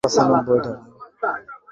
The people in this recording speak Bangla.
সব খেয়ে ফেলো।